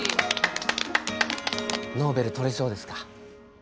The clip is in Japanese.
ノーベル取れそうですか。